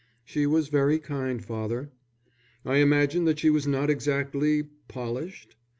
"She was very kind, father." "I imagine that she was not exactly polished?"